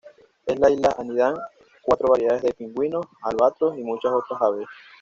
En la isla anidan cuatro variedades de pingüinos, albatros y muchas otras aves.